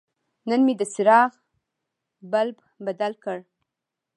نن مې د څراغ بلب بدل کړ.